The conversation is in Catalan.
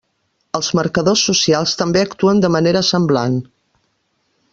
Els marcadors socials també actuen de manera semblant.